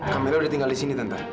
camilla udah tinggal disini tante